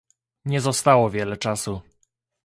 Nie zostało wiele czasu